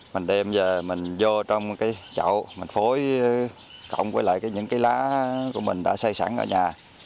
mình đem về mình vô trong cái chậu mình phối cộng với lại những cái lá của mình đã xây sẵn ở nhà